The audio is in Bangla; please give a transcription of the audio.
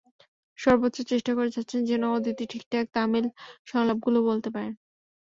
সর্বোচ্চ চেষ্টা করে যাচ্ছেন যেন অদিতি ঠিকঠাক তামিল সংলাপগুলো বলতে পারেন।